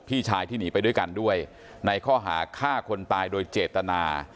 พี่ชายที่หนีไปด้วยกันด้วยในข้อหาฆ่าคนตายโดยเจตนา